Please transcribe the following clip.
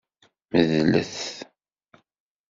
Medlet-t.